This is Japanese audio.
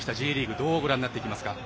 どうご覧になっていきますか？